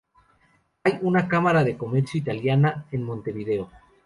Hay una Cámara de Comercio Italiana en Montevideo.